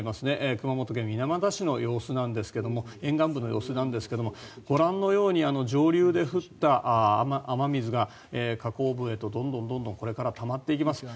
熊本県水俣市の様子なんですが沿岸部の様子なんですがご覧のように上流で降った雨水が河口部へとどんどんこれからたまっていきます。